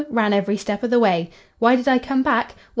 '—Ran every step of the way.—'Why did I come back?'—Well!